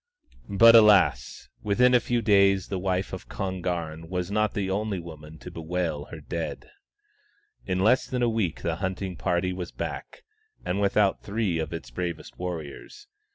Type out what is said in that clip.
But alas ! within a few days the wife of Kon garn was not the only woman to bewail her dead. In less than a week the hunting party was back, and without three of its bravest warriors.